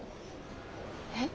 えっ。